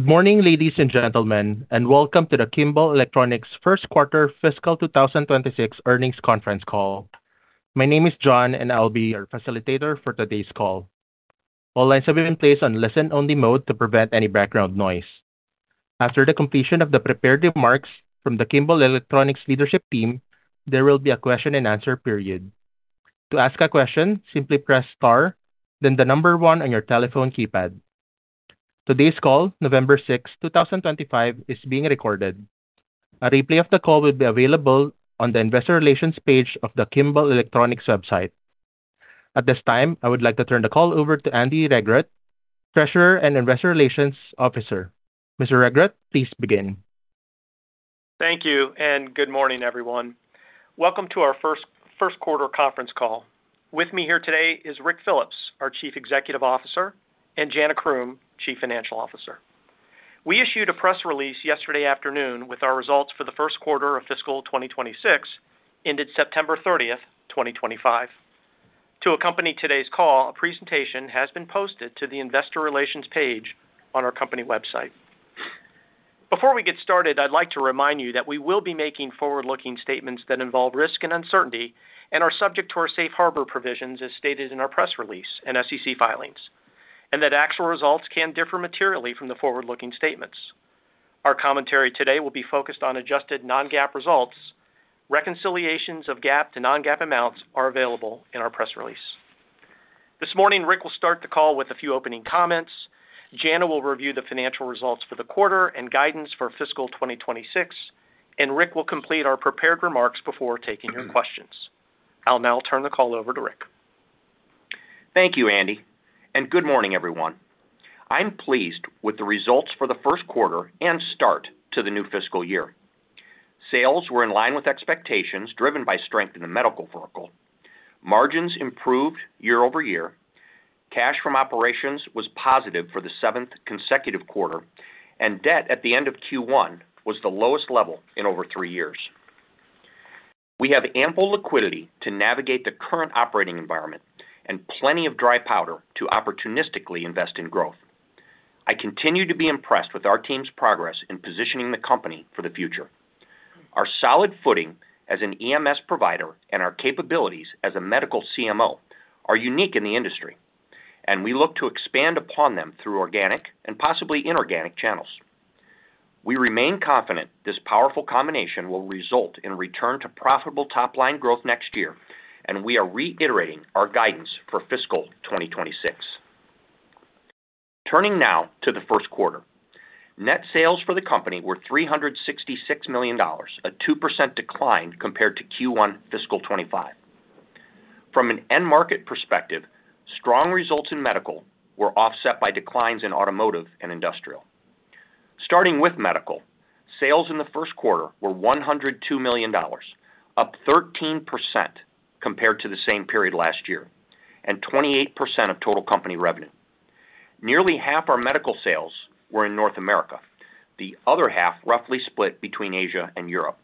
Good morning, ladies and gentlemen, and welcome to the Kimball Electronics First Quarter Fiscal 2026 Earnings Conference call. My name is John, and I'll be your facilitator for today's call. All lines have been placed on listen-only mode to prevent any background noise. After the completion of the prepared remarks from the Kimball Electronics Leadership Team, there will be a question-and-answer period. To ask a question, simply press *, then the number 1 on your telephone keypad. Today's call, November 6, 2025, is being recorded. A replay of the call will be available on the Investor Relations page of the Kimball Electronics website. At this time, I would like to turn the call over to Andy Regrut, Treasurer and Investor Relations Officer. Mr. Regrut, please begin. Thank you, and good morning, everyone. Welcome to our First Quarter Conference call. With me here today is Rick Phillips, our Chief Executive Officer, and Jana Croom, Chief Financial Officer. We issued a press release yesterday afternoon with our results for the first quarter of fiscal 2026 ended September 30, 2025. To accompany today's call, a presentation has been posted to the Investor Relations page on our company website. Before we get started, I'd like to remind you that we will be making forward-looking statements that involve risk and uncertainty and are subject to our safe harbor provisions as stated in our press release and SEC filings, and that actual results can differ materially from the forward-looking statements. Our commentary today will be focused on adjusted non-GAAP results. Reconciliations of GAAP to non-GAAP amounts are available in our press release. This morning, Rick will start the call with a few opening comments. Jana will review the financial results for the quarter and guidance for fiscal 2026, and Rick will complete our prepared remarks before taking your questions. I'll now turn the call over to Rick. Thank you, Andy, and good morning, everyone. I'm pleased with the results for the first quarter and start to the new fiscal year. Sales were in line with expectations driven by strength in the medical vertical. Margins improved year-over-year. Cash from operations was positive for the seventh consecutive quarter, and debt at the end of Q1 was the lowest level in over three years. We have ample liquidity to navigate the current operating environment and plenty of dry powder to opportunistically invest in growth. I continue to be impressed with our team's progress in positioning the company for the future. Our solid footing as an EMS provider and our capabilities as a medical CMO are unique in the industry, and we look to expand upon them through organic and possibly inorganic channels. We remain confident this powerful combination will result in return to profitable top-line growth next year, and we are reiterating our guidance for fiscal 2026. Turning now to the first quarter, net sales for the company were $366 million, a 2% decline compared to Q1 fiscal 2025. From an end-market perspective, strong results in medical were offset by declines in automotive and industrial. Starting with medical, sales in the first quarter were $102 million, up 13% compared to the same period last year, and 28% of total company revenue. Nearly half our medical sales were in North America, the other half roughly split between Asia and Europe.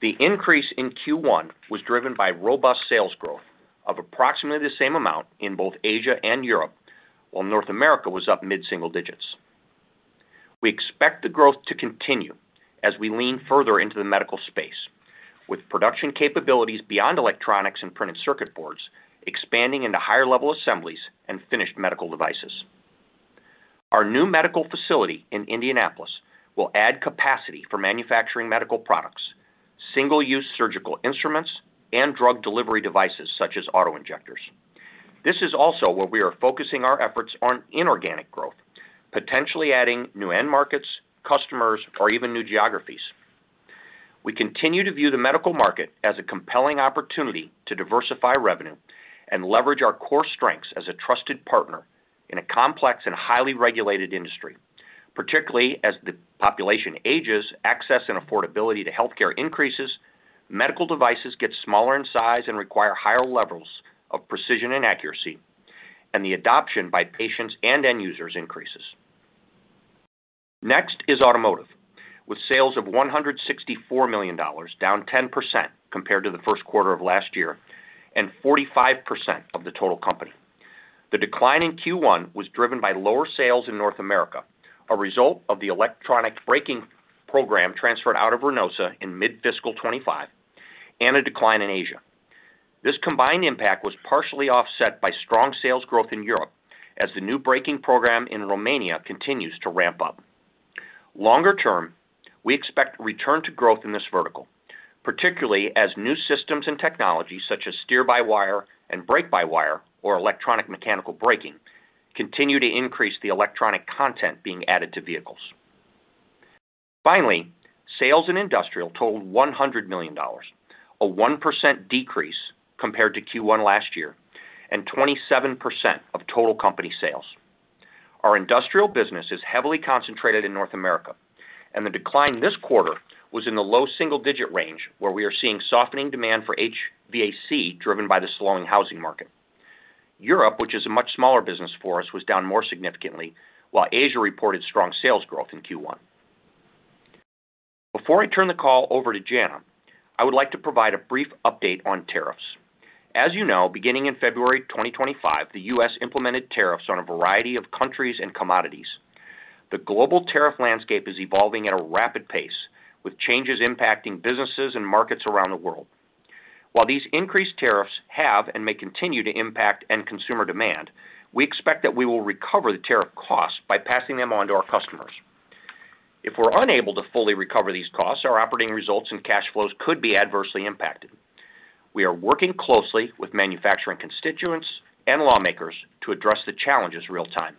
The increase in Q1 was driven by robust sales growth of approximately the same amount in both Asia and Europe, while North America was up mid-single digits. We expect the growth to continue as we lean further into the medical space, with production capabilities beyond electronics and printed circuit boards expanding into higher-level assemblies and finished medical devices. Our new medical facility in Indianapolis will add capacity for manufacturing medical products, single-use surgical instruments, and drug delivery devices such as auto injectors. This is also where we are focusing our efforts on inorganic growth, potentially adding new end markets, customers, or even new geographies. We continue to view the medical market as a compelling opportunity to diversify revenue and leverage our core strengths as a trusted partner in a complex and highly regulated industry, particularly as the population ages, access and affordability to healthcare increases, medical devices get smaller in size and require higher levels of precision and accuracy, and the adoption by patients and end users increases. Next is automotive, with sales of $164 million, down 10% compared to the first quarter of last year and 45% of the total company. The decline in Q1 was driven by lower sales in North America, a result of the electronic braking program transferred out of Renault in mid-fiscal 2025, and a decline in Asia. This combined impact was partially offset by strong sales growth in Europe as the new braking program in Romania continues to ramp up. Longer term, we expect return to growth in this vertical, particularly as new systems and technologies such as steer-by-wire and brake-by-wire, or electronic mechanical braking, continue to increase the electronic content being added to vehicles. Finally, sales in industrial totaled $100 million, a 1% decrease compared to Q1 last year and 27% of total company sales. Our industrial business is heavily concentrated in North America, and the decline this quarter was in the low single-digit range where we are seeing softening demand for HVAC driven by the slowing housing market. Europe, which is a much smaller business for us, was down more significantly, while Asia reported strong sales growth in Q1. Before I turn the call over to Jana, I would like to provide a brief update on tariffs. As you know, beginning in February 2025, the U.S. implemented tariffs on a variety of countries and commodities. The global tariff landscape is evolving at a rapid pace, with changes impacting businesses and markets around the world. While these increased tariffs have and may continue to impact end consumer demand, we expect that we will recover the tariff costs by passing them on to our customers. If we're unable to fully recover these costs, our operating results and cash flows could be adversely impacted. We are working closely with manufacturing constituents and lawmakers to address the challenges real-time.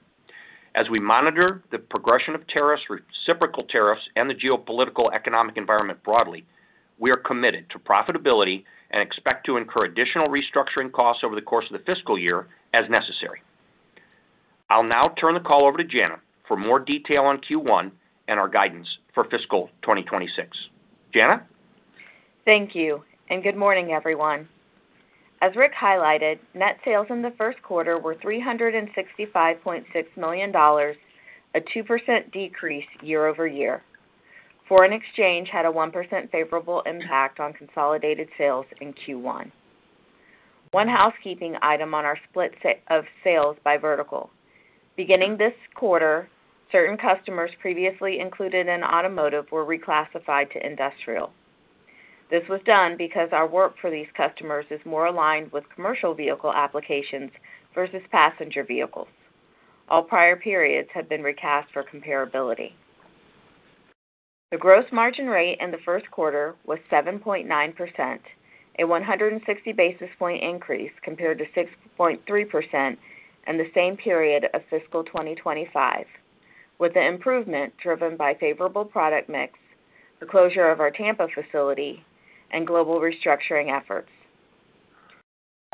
As we monitor the progression of tariffs, reciprocal tariffs, and the geopolitical economic environment broadly, we are committed to profitability and expect to incur additional restructuring costs over the course of the fiscal year as necessary. I'll now turn the call over to Jana for more detail on Q1 and our guidance for fiscal 2026. Jana. Thank you, and good morning, everyone. As Rick highlighted, net sales in the first quarter were $365.6 million, a 2% decrease year-over-year. Foreign exchange had a 1% favorable impact on consolidated sales in Q1. One housekeeping item on our split of sales by vertical. Beginning this quarter, certain customers previously included in automotive were reclassified to industrial. This was done because our work for these customers is more aligned with commercial vehicle applications versus passenger vehicles. All prior periods have been recast for comparability. The gross margin rate in the first quarter was 7.9%, a 160 basis point increase compared to 6.3% in the same period of fiscal 2025, with the improvement driven by favorable product mix, the closure of our Tampa facility, and global restructuring efforts.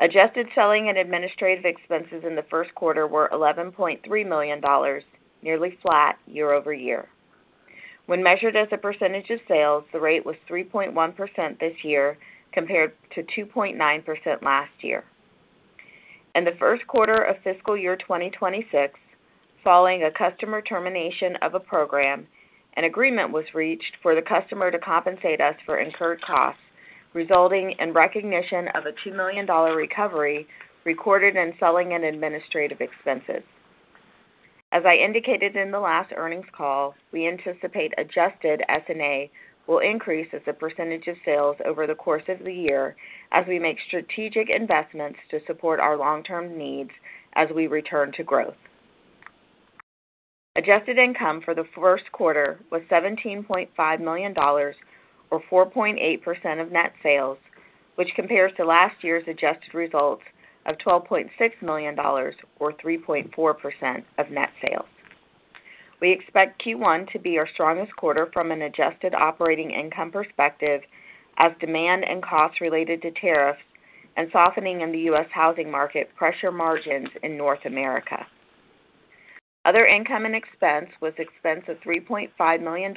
Adjusted selling and administrative expenses in the first quarter were $11.3 million, nearly flat year-over-year. When measured as a percentage of sales, the rate was 3.1% this year compared to 2.9% last year. In the first quarter of fiscal year 2026, following a customer termination of a program, an agreement was reached for the customer to compensate us for incurred costs, resulting in recognition of a $2 million recovery recorded in selling and administrative expenses. As I indicated in the last earnings call, we anticipate adjusted S&A will increase as a percentage of sales over the course of the year as we make strategic investments to support our long-term needs as we return to growth. Adjusted income for the first quarter was $17.5 million, or 4.8% of net sales, which compares to last year's adjusted results of $12.6 million, or 3.4% of net sales. We expect Q1 to be our strongest quarter from an adjusted operating income perspective as demand and costs related to tariffs and softening in the U.S. housing market pressure margins in North America. Other income and expense was expense of $3.5 million.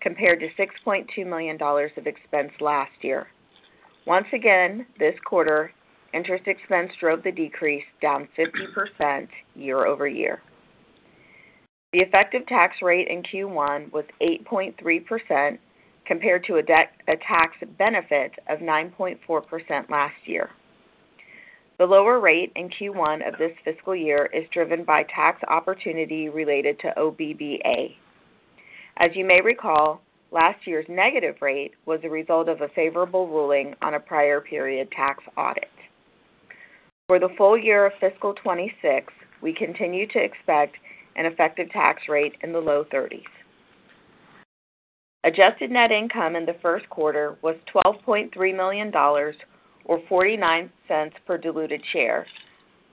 Compared to $6.2 million of expense last year. Once again, this quarter, interest expense drove the decrease down 50% year-over-year. The effective tax rate in Q1 was 8.3% compared to a tax benefit of 9.4% last year. The lower rate in Q1 of this fiscal year is driven by tax opportunity related to OBBA. As you may recall, last year's negative rate was a result of a favorable ruling on a prior period tax audit. For the full year of fiscal 2026, we continue to expect an effective tax rate in the low 30s. Adjusted net income in the first quarter was $12.3 million. Or $0.49 per diluted share,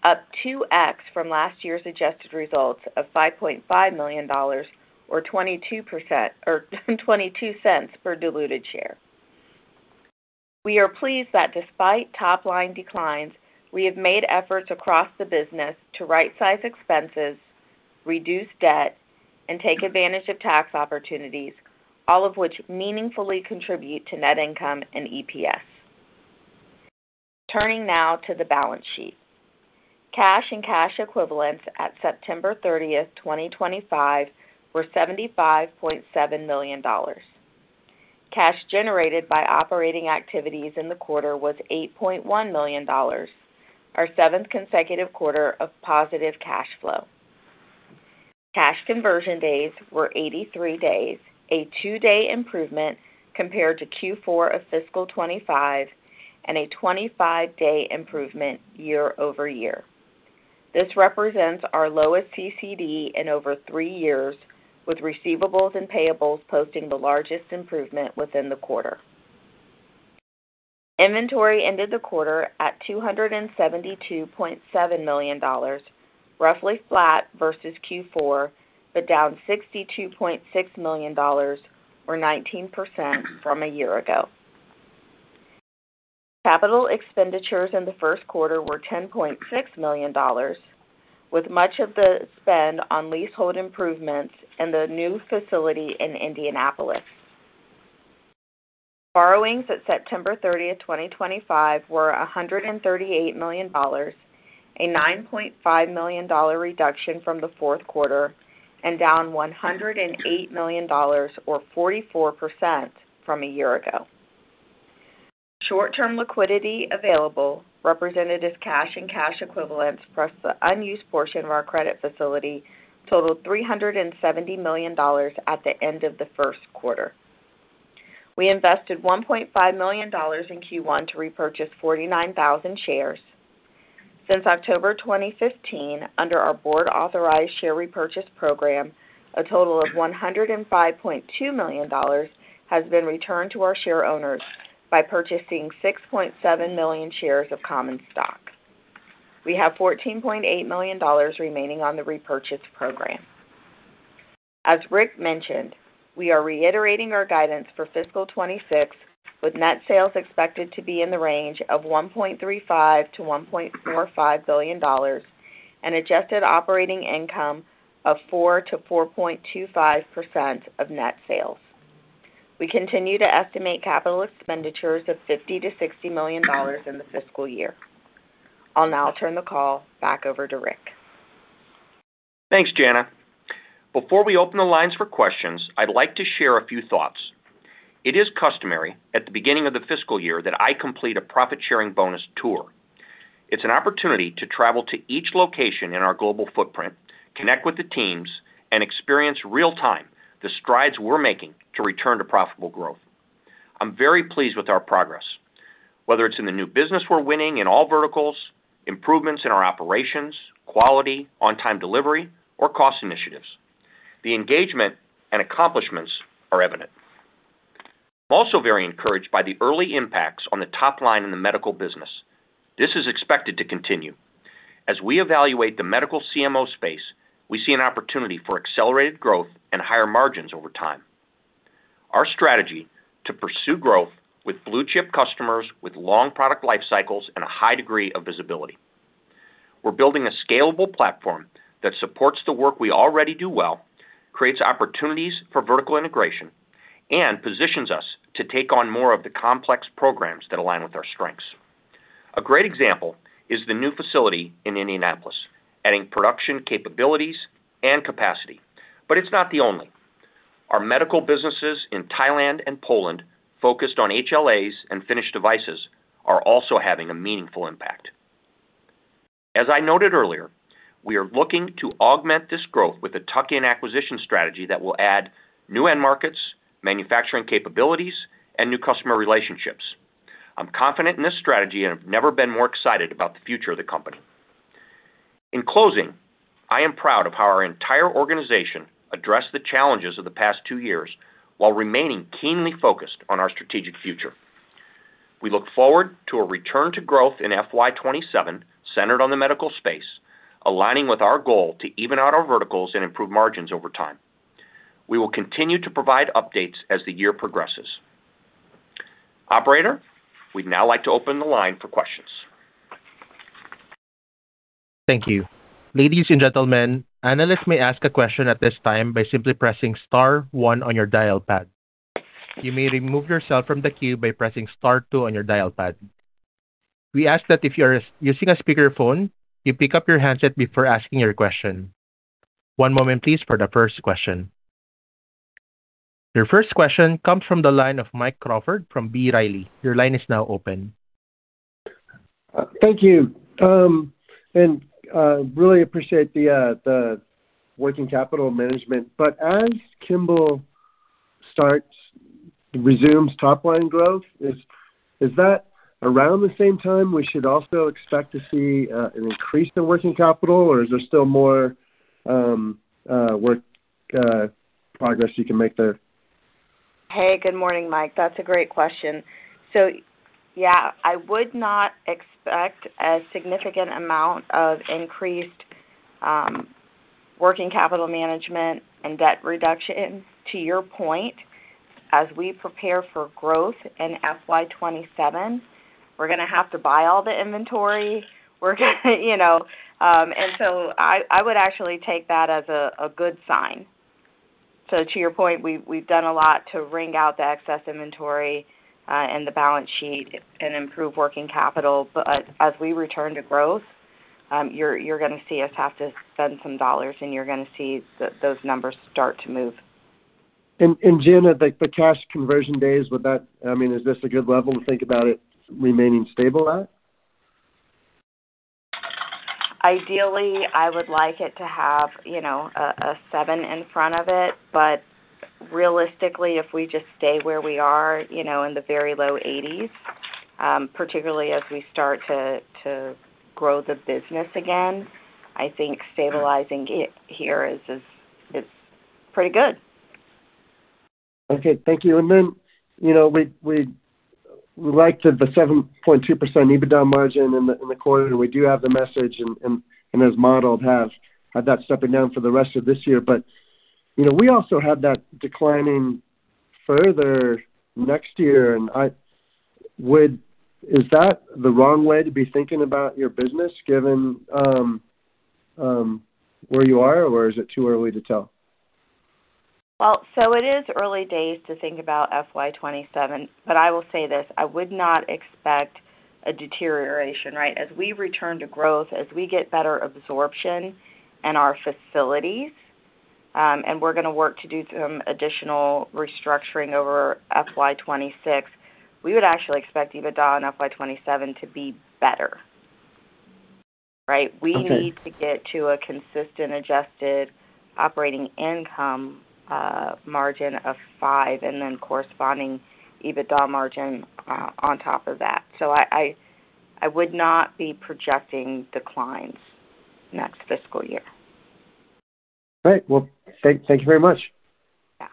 up 2x from last year's adjusted results of $5.5 million, or $0.22 per diluted share. We are pleased that despite top-line declines, we have made efforts across the business to right-size expenses, reduce debt, and take advantage of tax opportunities, all of which meaningfully contribute to net income and EPS. Turning now to the balance sheet. Cash and cash equivalents at September 30, 2025, were $75.7 million. Cash generated by operating activities in the quarter was $8.1 million. Our seventh consecutive quarter of positive cash flow. Cash conversion days were 83 days, a two-day improvement compared to Q4 of fiscal 2025 and a 25-day improvement year-over-year. This represents our lowest CCD in over three years, with receivables and payables posting the largest improvement within the quarter. Inventory ended the quarter at $272.7 million, roughly flat versus Q4, but down $62.6 million. Or 19% from a year ago. Capital expenditures in the first quarter were $10.6 million, with much of the spend on leasehold improvements and the new facility in Indianapolis. Borrowings at September 30, 2025, were $138 million, a $9.5 million reduction from the fourth quarter, and down $108 million, or 44% from a year ago. Short-term liquidity available, representative cash and cash equivalents plus the unused portion of our credit facility, totaled $370 million at the end of the first quarter. We invested $1.5 million in Q1 to repurchase 49,000 shares. Since October 2015, under our board-authorized share repurchase program, a total of $105.2 million has been returned to our share owners by purchasing 6.7 million shares of common stock. We have $14.8 million remaining on the repurchase program. As Rick mentioned, we are reiterating our guidance for fiscal 2026, with net sales expected to be in the range of $1.35 billion-$1.45 billion. Adjusted operating income of 4%-4.25% of net sales. We continue to estimate capital expenditures of $50 million-$60 million in the fiscal year. I'll now turn the call back over to Rick. Thanks, Jana. Before we open the lines for questions, I'd like to share a few thoughts. It is customary at the beginning of the fiscal year that I complete a profit-sharing bonus tour. It's an opportunity to travel to each location in our global footprint, connect with the teams, and experience real-time the strides we're making to return to profitable growth. I'm very pleased with our progress, whether it's in the new business we're winning in all verticals, improvements in our operations, quality, on-time delivery, or cost initiatives. The engagement and accomplishments are evident. I'm also very encouraged by the early impacts on the top line in the medical business. This is expected to continue. As we evaluate the medical CMO space, we see an opportunity for accelerated growth and higher margins over time. Our strategy is to pursue growth with blue-chip customers with long product life cycles and a high degree of visibility. We're building a scalable platform that supports the work we already do well, creates opportunities for vertical integration, and positions us to take on more of the complex programs that align with our strengths. A great example is the new facility in Indianapolis, adding production capabilities and capacity. It is not the only one. Our medical businesses in Thailand and Poland, focused on higher-level assemblies and finished devices, are also having a meaningful impact. As I noted earlier, we are looking to augment this growth with a tuck-in acquisition strategy that will add new end markets, manufacturing capabilities, and new customer relationships. I'm confident in this strategy, and I've never been more excited about the future of the company. In closing, I am proud of how our entire organization addressed the challenges of the past two years while remaining keenly focused on our strategic future. We look forward to a return to growth in FY2027 centered on the medical space, aligning with our goal to even out our verticals and improve margins over time. We will continue to provide updates as the year progresses. Operator, we'd now like to open the line for questions. Thank you. Ladies and gentlemen, analysts may ask a question at this time by simply pressing star one on your dial pad. You may remove yourself from the queue by pressing star two on your dial pad. We ask that if you are using a speakerphone, you pick up your handset before asking your question. One moment, please, for the first question. Your first question comes from the line of Mike Crawford from B. Riley. Your line is now open. Thank you. I really appreciate the working capital management. As Kimball starts, resumes top-line growth, is that around the same time we should also expect to see an increase in working capital, or is there still more work, progress you can make there? Hey, good morning, Mike. That's a great question. Yeah, I would not expect a significant amount of increase. Working capital management and debt reduction. To your point, as we prepare for growth in FY 2027, we're going to have to buy all the inventory. I would actually take that as a good sign. To your point, we've done a lot to wring out the excess inventory and the balance sheet and improve working capital. As we return to growth, you're going to see us have to spend some dollars, and you're going to see those numbers start to move. Jana, the cash conversion days, would that—I mean, is this a good level to think about it remaining stable at? Ideally, I would like it to have a 7 in front of it. But realistically, if we just stay where we are in the very low 80s, particularly as we start to grow the business again, I think stabilizing here is pretty good. Okay. Thank you. We liked the 7.2% EBITDA margin in the quarter. We do have the message, and as modeled, have that stepping down for the rest of this year. We also have that declining further next year. Is that the wrong way to be thinking about your business, given where you are, or is it too early to tell? It is early days to think about FY 2027. I will say this: I would not expect a deterioration, right? As we return to growth, as we get better absorption in our facilities, and we are going to work to do some additional restructuring over FY 2026, we would actually expect EBITDA in FY 2027 to be better. Right? We need to get to a consistent adjusted operating income margin of 5% and then corresponding EBITDA margin on top of that. I would not be projecting declines next fiscal year. All right. Thank you very much. Yeah.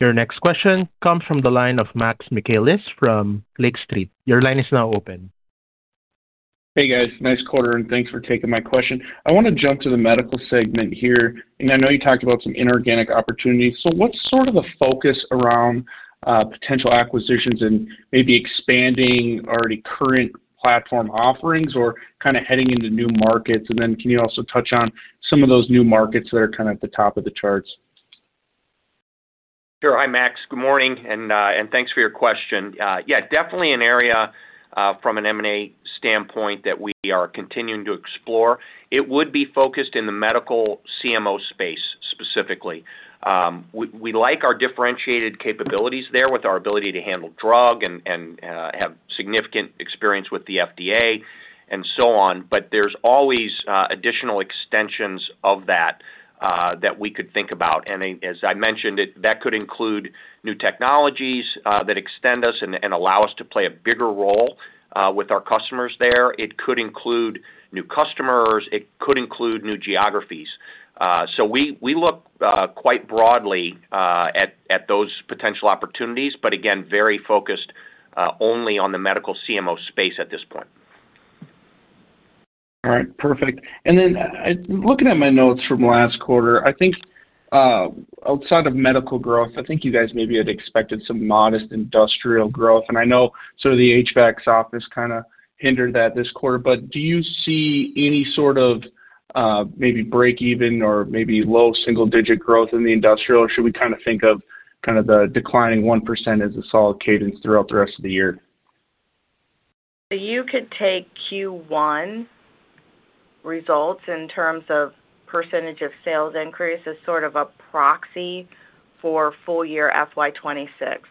Your next question comes from the line of Max Michaelis from Lake Street. Your line is now open. Hey, guys. Nice quarter, and thanks for taking my question. I want to jump to the medical segment here. I know you talked about some inorganic opportunities. What's sort of the focus around potential acquisitions and maybe expanding already current platform offerings or kind of heading into new markets? Can you also touch on some of those new markets that are kind of at the top of the charts? Sure. Hi, Max. Good morning, and thanks for your question. Yeah, definitely an area from an M&A standpoint that we are continuing to explore. It would be focused in the medical CMO space specifically. We like our differentiated capabilities there with our ability to handle drug and have significant experience with the FDA and so on. There is always additional extensions of that that we could think about. As I mentioned, that could include new technologies that extend us and allow us to play a bigger role with our customers there. It could include new customers. It could include new geographies. We look quite broadly at those potential opportunities, but again, very focused only on the medical CMO space at this point. All right. Perfect. Then looking at my notes from last quarter, I think outside of medical growth, I think you guys maybe had expected some modest industrial growth. I know sort of the HVAC's softness kind of hindered that this quarter. Do you see any sort of maybe break-even or maybe low single-digit growth in the industrial? Should we kind of think of the declining 1% as a solid cadence throughout the rest of the year? You could take Q1 results in terms of % of sales increase as sort of a proxy for full year FY 2026.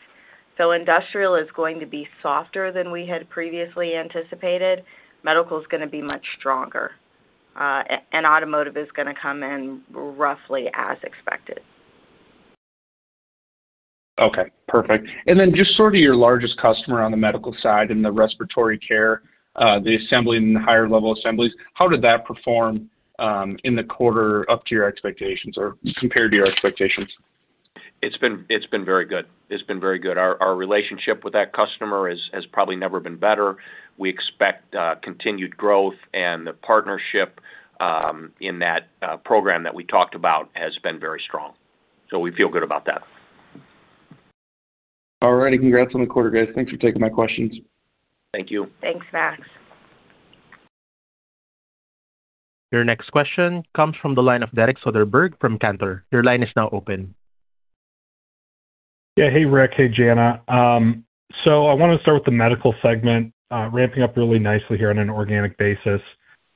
Industrial is going to be softer than we had previously anticipated. Medical is going to be much stronger. Automotive is going to come in roughly as expected. Okay. Perfect. Just sort of your largest customer on the medical side in the respiratory care, the assembly, and the higher-level assemblies, how did that perform? In the quarter, up to your expectations or compared to your expectations? It's been very good. Our relationship with that customer has probably never been better. We expect continued growth, and the partnership in that program that we talked about has been very strong. We feel good about that. All righty. Congrats on the quarter, guys. Thanks for taking my questions. Thank you. Thanks, Max. Your next question comes from the line of Derek Soderbergh from Cantor. Your line is now open. Yeah. Hey, Rick. Hey, Jana. I want to start with the medical segment, ramping up really nicely here on an organic basis.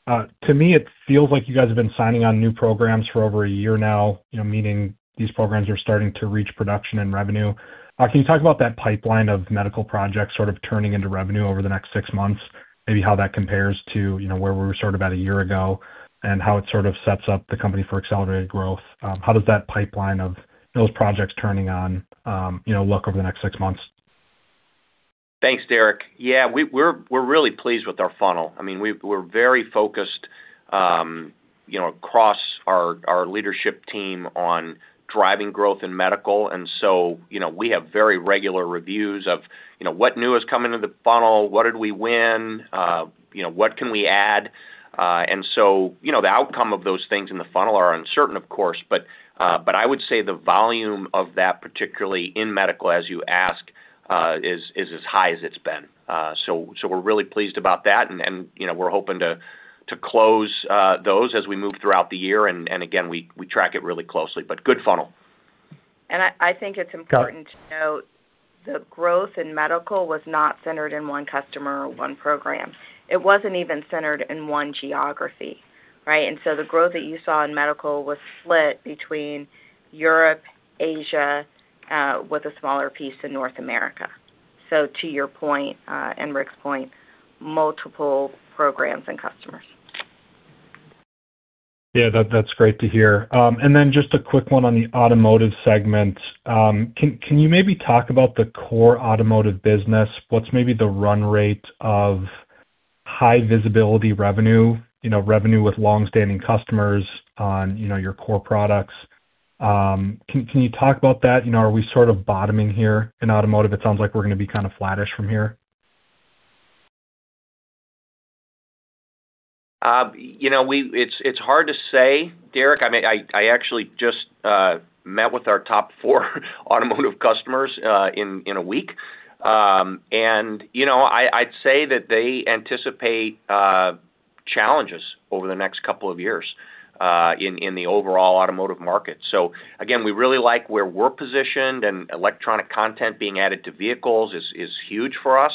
To me, it feels like you guys have been signing on new programs for over a year now, meaning these programs are starting to reach production and revenue. Can you talk about that pipeline of medical projects sort of turning into revenue over the next six months, maybe how that compares to where we were sort of at a year ago and how it sort of sets up the company for accelerated growth? How does that pipeline of those projects turning on look over the next six months? Thanks, Derek. Yeah, we're really pleased with our funnel. I mean, we're very focused across our leadership team on driving growth in medical. I mean, we have very regular reviews of what new is coming into the funnel, what did we win, what can we add. The outcome of those things in the funnel are uncertain, of course. I would say the volume of that, particularly in medical, as you ask, is as high as it's been. We're really pleased about that. We're hoping to close those as we move throughout the year. Again, we track it really closely. Good funnel. I think it's important to note the growth in medical was not centered in one customer or one program. It wasn't even centered in one geography, right? The growth that you saw in medical was split between Europe, Asia, with a smaller piece in North America. To your point and Rick's point, multiple programs and customers. Yeah, that's great to hear. Just a quick one on the automotive segment. Can you maybe talk about the core automotive business? What's maybe the run rate of high-visibility revenue, revenue with long-standing customers on your core products? Can you talk about that? Are we sort of bottoming here in automotive? It sounds like we're going to be kind of flattish from here. It's hard to say, Derek. I mean, I actually just met with our top four automotive customers in a week. I'd say that they anticipate challenges over the next couple of years in the overall automotive market. We really like where we're positioned, and electronic content being added to vehicles is huge for us.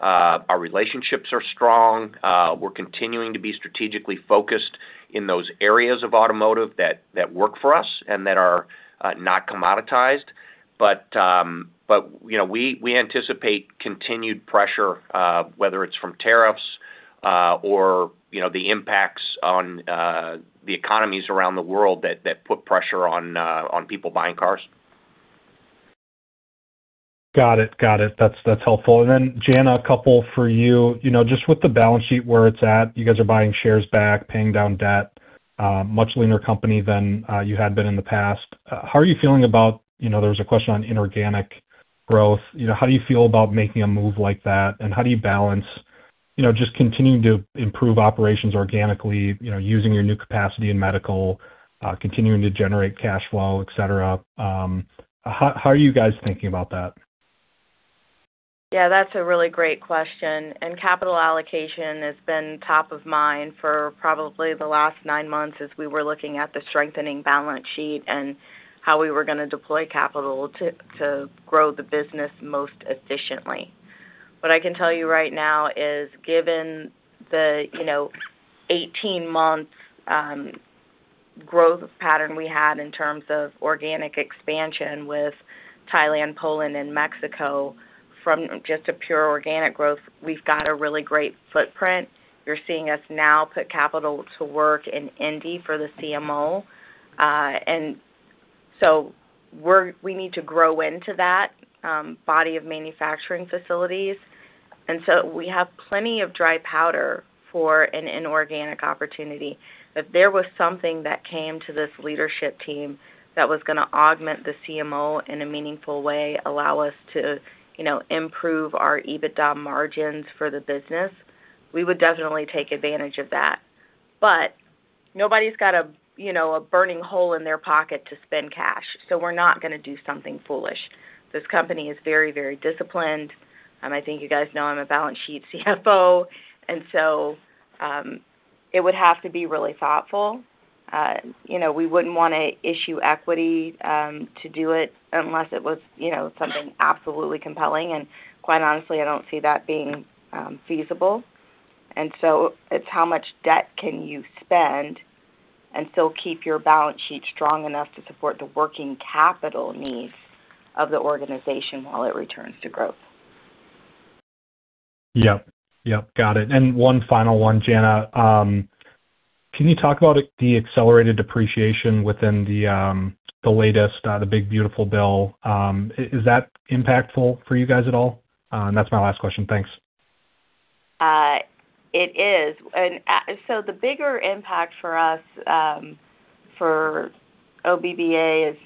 Our relationships are strong. We're continuing to be strategically focused in those areas of automotive that work for us and that are not commoditized. We anticipate continued pressure, whether it's from tariffs or the impacts on the economies around the world that put pressure on people buying cars. Got it. Got it. That is helpful. Jana, a couple for you. Just with the balance sheet where it is at, you guys are buying shares back, paying down debt, much leaner company than you had been in the past. How are you feeling about—there was a question on inorganic growth—how do you feel about making a move like that? How do you balance just continuing to improve operations organically, using your new capacity in medical, continuing to generate cash flow, etc.? How are you guys thinking about that? Yeah, that's a really great question. Capital allocation has been top of mind for probably the last nine months as we were looking at the strengthening balance sheet and how we were going to deploy capital to grow the business most efficiently. What I can tell you right now is, given the 18-month growth pattern we had in terms of organic expansion with Thailand, Poland, and Mexico from just a pure organic growth, we've got a really great footprint. You're seeing us now put capital to work in Indy for the CMO. We need to grow into that body of manufacturing facilities. We have plenty of dry powder for an inorganic opportunity. If there was something that came to this leadership team that was going to augment the CMO in a meaningful way, allow us to improve our EBITDA margins for the business, we would definitely take advantage of that. Nobody's got a burning hole in their pocket to spend cash. We are not going to do something foolish. This company is very, very disciplined. I think you guys know I'm a balance sheet CFO. It would have to be really thoughtful. We would not want to issue equity to do it unless it was something absolutely compelling. Quite honestly, I do not see that being feasible. It is how much debt can you spend and still keep your balance sheet strong enough to support the working capital needs of the organization while it returns to growth. Yep. Yep. Got it. One final one, Jana. Can you talk about the accelerated depreciation within the latest, the big beautiful bill? Is that impactful for you guys at all? That's my last question. Thanks. It is. The bigger impact for us for OBBA is,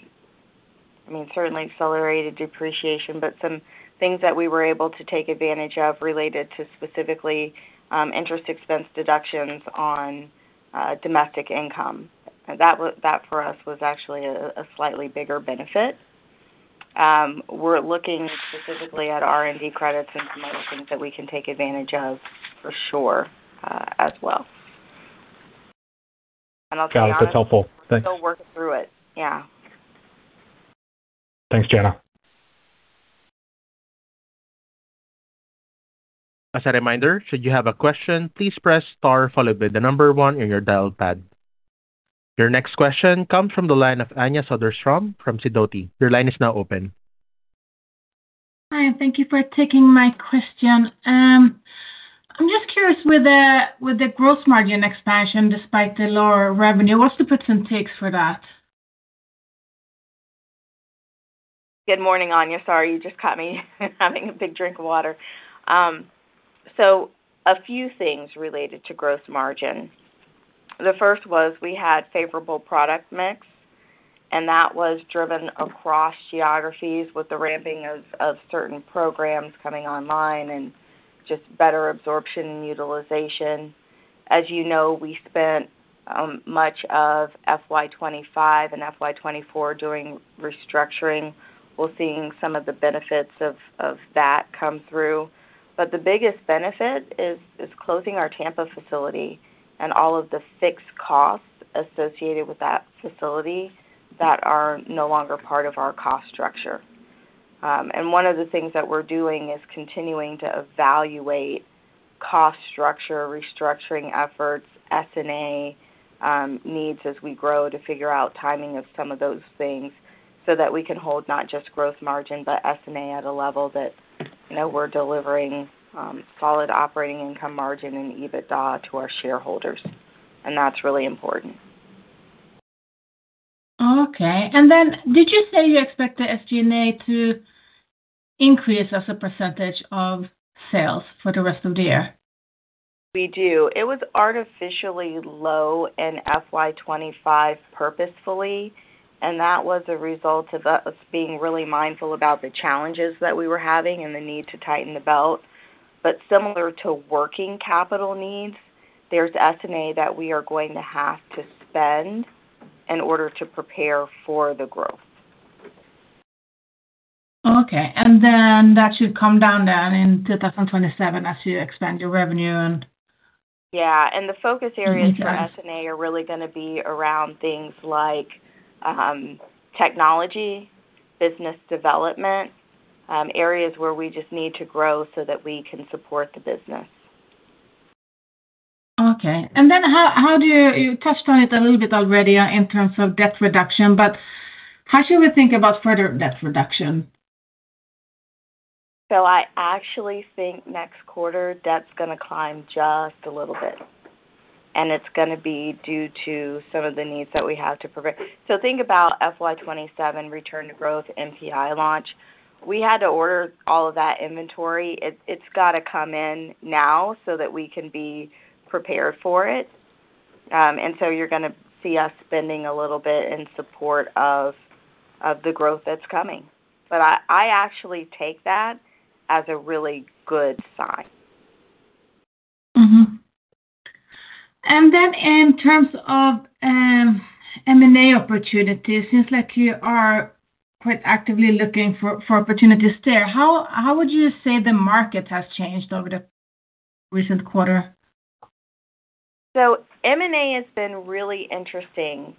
I mean, certainly accelerated depreciation, but some things that we were able to take advantage of related to specifically interest expense deductions on domestic income. That for us was actually a slightly bigger benefit. We're looking specifically at R&D credits and some other things that we can take advantage of for sure as well. I'll say that. Yeah. That's helpful. Thanks. We'll work through it. Yeah. Thanks, Jana. As a reminder, should you have a question, please press star followed by the number one on your dial pad. Your next question comes from the line of Anja Soderstrom from Sidoti. Your line is now open. Hi. Thank you for taking my question. I'm just curious, with the gross margin expansion, despite the lower revenue, what's the % takes for that? Good morning, Anja. Sorry, you just caught me having a big drink of water. A few things related to gross margin. The first was we had favorable product mix, and that was driven across geographies with the ramping of certain programs coming online and just better absorption and utilization. As you know, we spent much of FY 2025 and FY 2024 doing restructuring. We are seeing some of the benefits of that come through. The biggest benefit is closing our Tampa facility and all of the fixed costs associated with that facility that are no longer part of our cost structure. One of the things that we are doing is continuing to evaluate cost structure, restructuring efforts, S&A needs as we grow to figure out timing of some of those things so that we can hold not just gross margin, but S&A at a level that we're delivering solid operating income margin and EBITDA to our shareholders. That's really important. Okay. And then did you say you expect the SG&A to increase as a percentage of sales for the rest of the year? We do. It was artificially low in FY 2025 purposefully, and that was a result of us being really mindful about the challenges that we were having and the need to tighten the belt. Similar to working capital needs, there's S&A that we are going to have to spend in order to prepare for the growth. Okay. That should come down then in 2027 as you expand your revenue. Yeah. The focus areas for S&A are really going to be around things like technology, business development, areas where we just need to grow so that we can support the business. Okay. You touched on it a little bit already in terms of debt reduction, but how should we think about further debt reduction? I actually think next quarter, debt's going to climb just a little bit. It's going to be due to some of the needs that we have to prepare. Think about FY 2027 return to growth MPI launch. We had to order all of that inventory. It's got to come in now so that we can be prepared for it. You're going to see us spending a little bit in support of the growth that's coming. I actually take that as a really good sign. In terms of M&A opportunities, it seems like you are quite actively looking for opportunities there. How would you say the market has changed over the recent quarter? M&A has been really interesting,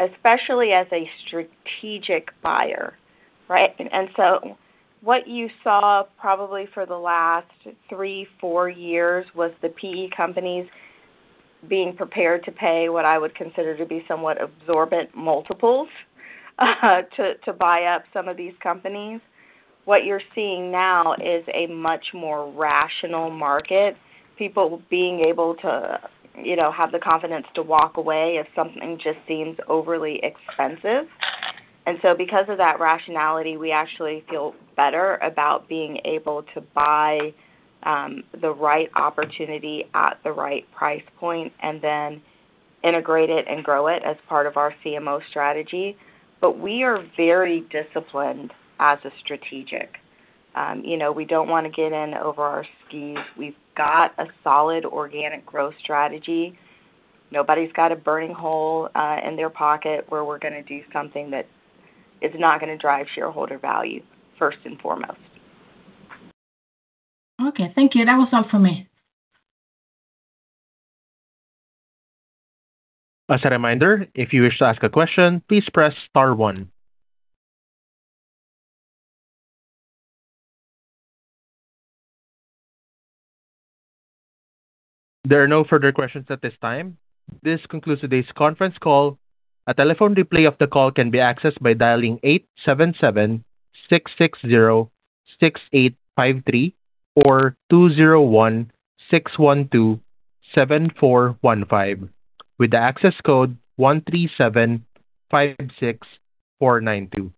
especially as a strategic buyer, right? What you saw probably for the last three or four years was the PE companies being prepared to pay what I would consider to be somewhat absorbent multiples to buy up some of these companies. What you are seeing now is a much more rational market, people being able to have the confidence to walk away if something just seems overly expensive. Because of that rationality, we actually feel better about being able to buy the right opportunity at the right price point and then integrate it and grow it as part of our CMO strategy. We are very disciplined as a strategic. We do not want to get in over our skis. We have got a solid organic growth strategy. Nobody's got a burning hole in their pocket where we're going to do something that is not going to drive shareholder value, first and foremost. Okay. Thank you. That was all for me. As a reminder, if you wish to ask a question, please press star one. There are no further questions at this time. This concludes today's conference call. A telephone replay of the call can be accessed by dialing 877-660-6853 or 201-612-7415 with the access code 137-56-492.